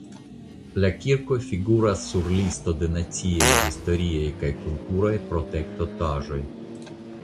La kirko figuras sur listo de naciaj historiaj kaj kulturaj protektotaĵoj.